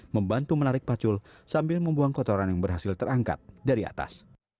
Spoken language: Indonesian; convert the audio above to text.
membantu menarik pacul sambil membuang kotoran yang berhasil terangkat dari atas